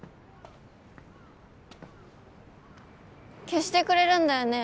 消してくれるんだよね？